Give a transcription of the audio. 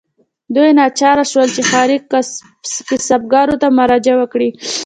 دوی ناچاره شول چې ښاري کسبګرو ته مراجعه وکړي.